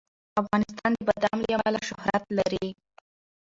افغانستان د بادام له امله شهرت لري.